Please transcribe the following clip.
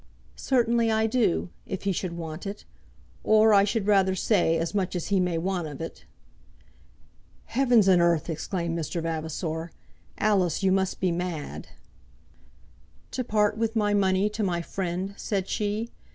"Certainly I do; if he should want it; or, I should rather say, as much as he may want of it." "Heavens and earth!" exclaimed Mr. Vavasor. "Alice, you must be mad." "To part with my money to my friend?" said she.